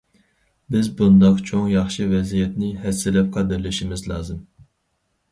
بىز بۇنداق چوڭ ياخشى ۋەزىيەتنى ھەسسىلەپ قەدىرلىشىمىز لازىم.